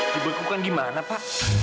dibekukan gimana pak